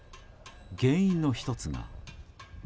原因の１つが。